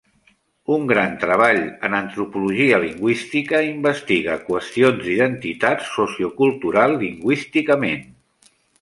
Un gran treball en antropologia lingüística investiga qüestions d'identitat sociocultural lingüísticament.